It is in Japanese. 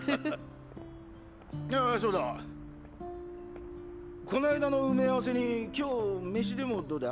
あぁそうだ。こないだの埋め合わせに今日飯でもどうだ？